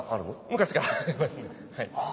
昔からありますね。